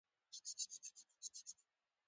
ابادیو او د لارو ساتلو ته توجه وکړه.